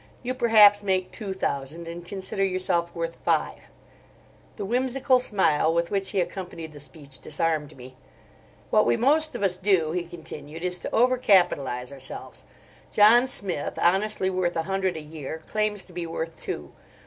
You, perhaps, make two thousand, and consider yourself worth five." The whimsical smile with which he accompanied the speech disarmed me. "What we most of us do," he continued, "is to over capitalise ourselves. John Smith, honestly worth a hundred a year, claims to be worth two.